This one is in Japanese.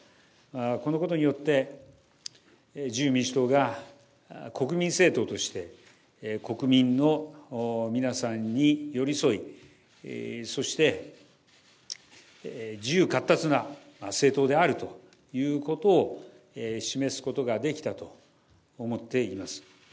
このことによって、自由民主党が国民政党として、国民の皆さんに寄り添い、そして、自由かっ達な政党であるということを示すことができたと思っています。